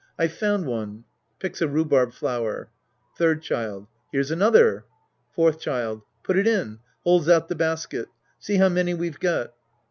I've found one. {Picks a rhubarb flower^ Third Child. Here's another. Fourth Child. Put it in. {Holds out the basket.) See how many we've got.